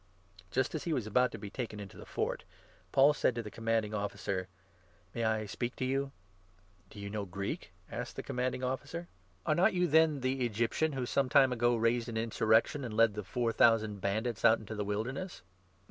Just as he was about to be taken into the Fort, Paul said to 37 the Commanding Officer :" May I speak to you ?" 44 Do you know Greek?" asked the Commanding Officer. " Are not you, then, the Egyptian who some time ago raised 38 36 Num. 6. j. THE ACTS, 21—22. 257 an insurrection and led the four thousand Bandits out into the Wilderness